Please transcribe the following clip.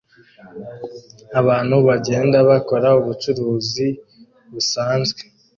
abantu bagenda bakora ubucuruzi busanzwe